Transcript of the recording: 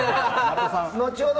後ほど